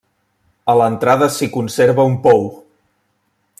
A l'entrada s'hi conserva un pou.